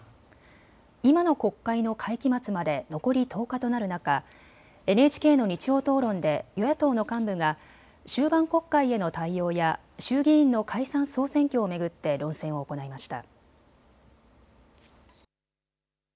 今の国会の会期末まで残り１０日となる中、ＮＨＫの日曜討論で与野党の幹部が終盤国会への対応や衆議院の解散・総選挙を巡って論戦を行いました。